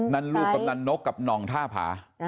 นั่นลูกนั่นนกกับนองท่าผา